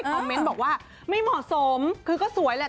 เมนต์บอกว่าไม่เหมาะสมคือก็สวยแหละ